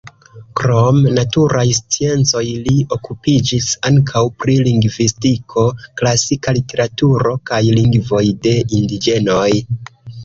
Krom naturaj sciencoj li okupiĝis ankaŭ pri lingvistiko, klasika literaturo, kaj lingvoj de indiĝenoj.